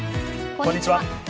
こんにちは。